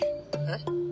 えっ？